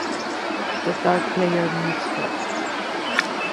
The dark player moves first.